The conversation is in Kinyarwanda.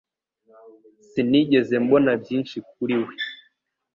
Sinigeze mbona byinshi kuri we